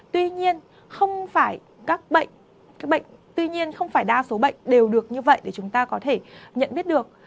tuy nhiên không phải các bệnh các bệnh tuy nhiên không phải đa số bệnh đều được như vậy để chúng ta có thể nhận biết được